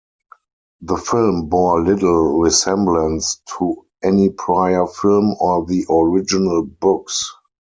The film bore little resemblance to any prior film or the original books.